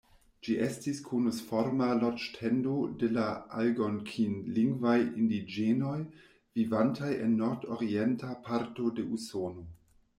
Ĝi estis konusforma loĝ-tendo de la algonkin-lingvaj indiĝenoj, vivantaj en nordorienta parto de Usono.